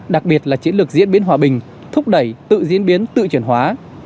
đặc biệt là chiến lược diễn biến hòa bình thúc đẩy tự diễn biến tự chuyển hóa